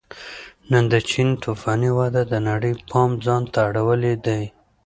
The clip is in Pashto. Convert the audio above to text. نن د چین توفاني وده د نړۍ پام ځان ته اړولی دی